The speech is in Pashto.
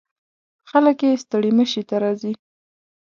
خلک یې ستړي مشي ته راځي.